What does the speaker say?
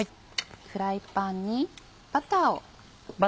フライパンにバターを。